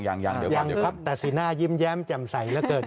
ยังครับแต่สีหน้ายิ้มแย้มแจ่มใสละเกิน